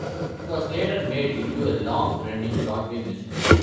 It was later made into a long-running Broadway musical.